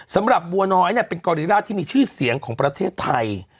สำหรับบัวน้อยเป็นกอริราชที่มีชื่อเสียงของประเทศไทย